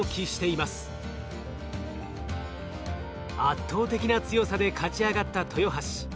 圧倒的な強さで勝ち上がった豊橋。